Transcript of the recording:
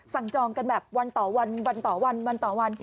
จองกันแบบวันต่อวันวันต่อวันวันต่อวัน